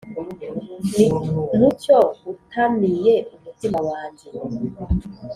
Ni mucyo utamiye umutima wange